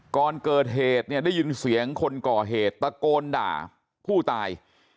ก่อนเกิดเหตุเนี่ยได้ยินเสียงคนก่อเหตุตะโกนด่าผู้ตาย